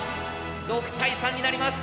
６対３になります。